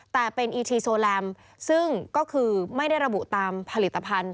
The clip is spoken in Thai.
แต่เป็นอีทีโซแลมซึ่งก็คือไม่ได้ระบุตามผลิตภัณฑ